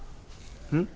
うん？